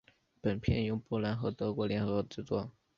本片由波兰和德国联合制作。